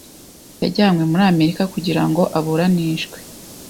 Yajyanywe muri Amerika kugira ngo aburanishwe.